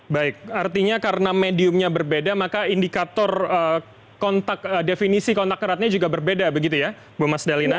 baik artinya karena mediumnya berbeda maka indikator kontak definisi kontak eratnya juga berbeda begitu ya bu mas dalina